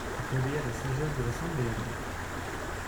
Appelez à la sagesse de l’Assemblée, alors